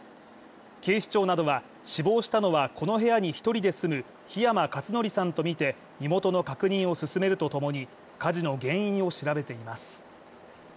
警視庁などは死亡したのは、この部屋に１人で住む檜山捷紀さんとみて身元の確認を進めるとともに火事の原因を調べています。